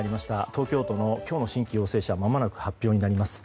東京都の今日の新規陽性者まもなく発表になります。